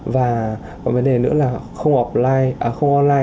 và còn vấn đề nữa là không online